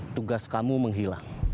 tugas kamu menghilang